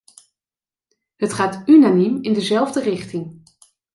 Het gaat unaniem in dezelfde richting.